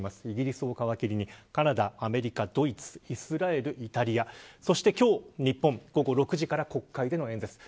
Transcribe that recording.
イギリスを皮切りにカナダアメリカ、ドイツ、イスラエルイタリアそして今日、日本午後６時から国会での演説。